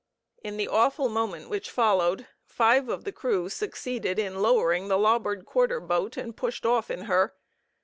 In the awful moment which followed, five of the crew succeeded in lowering the larboard quarter boat and pushed off in her.